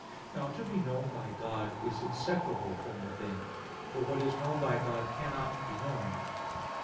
Now to be known by God is inseparable from the thing; for what is known by God cannot be known.